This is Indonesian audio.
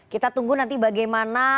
kita tunggu nanti bagaimana